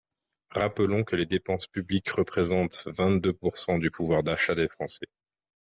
Rappelons que les dépenses publiques représentent vingt-deux pourcent du pouvoir d’achat des Français.